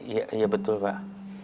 iya betul pak